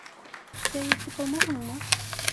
Сәй эсеп алмайһыңмы?